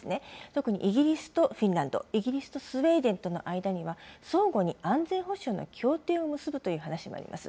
とくにイギリスとフィンランド、イギリスとスウェーデンとの間には、相互に安全保障の協定を結ぶという話もあります。